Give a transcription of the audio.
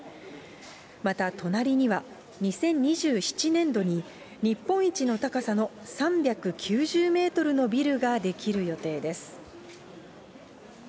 また隣には、２０２７年度に、日本一の高さの３９０メートルのビルが出来る予定です。